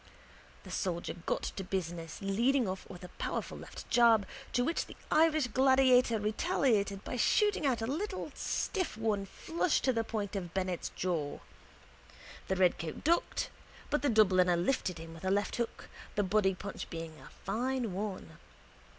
The soldier got to business, leading off with a powerful left jab to which the Irish gladiator retaliated by shooting out a stiff one flush to the point of Bennett's jaw. The redcoat ducked but the Dubliner lifted him with a left hook, the body punch being a fine one.